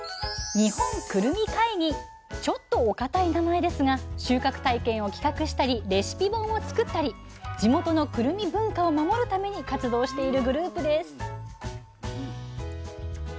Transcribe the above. ちょっとお堅い名前ですが収穫体験を企画したりレシピ本を作ったり地元のくるみ文化を守るために活動しているグループです